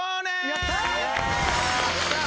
やったー！